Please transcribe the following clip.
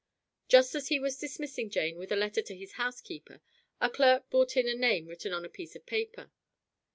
Just as he was dismissing Jane with a letter to his housekeeper a clerk brought in a name written on a piece of paper.